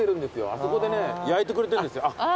あそこでね焼いてくれてるんですよ。